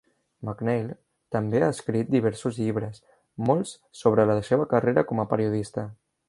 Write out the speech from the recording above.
MacNeil també ha escrit diversos llibres, molts sobre la seva carrera com a periodista.